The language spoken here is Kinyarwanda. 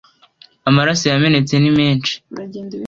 amaraso yamenetse nimenshi.